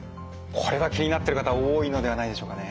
これは気になってる方多いのではないでしょうかね。